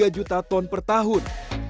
tiga juta ton per tahun